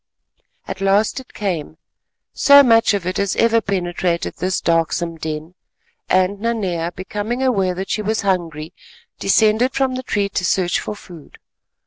At last it came—so much of it as ever penetrated this darksome den—and Nanea, becoming aware that she was hungry, descended from the tree to search for food.